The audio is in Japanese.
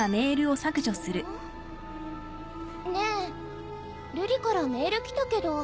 ねえ瑠璃からメール来たけど。